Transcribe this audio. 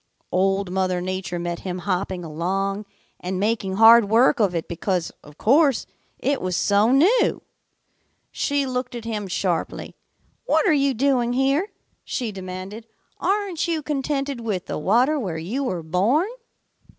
"Old Mother Nature met him hopping along and making hard work of it because, of course, it was so new. She looked at him sharply. 'What are you doing here?' she demanded. 'Aren't you contented with the water where you were born?'